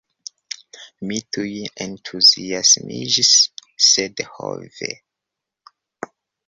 Mi tuj entuziasmiĝis; sed, ho ve!